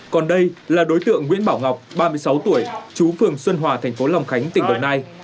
còn đây là đối tượng nguyễn bảo ngọc ba mươi sáu tuổi chú phường xuân hòa thành phố long khánh tỉnh đồng nai